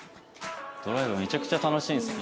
ドライブめちゃくちゃ楽しいです。